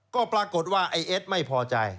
ก็ปรากฏว่าไอ้เอ็ดไม่พอใจ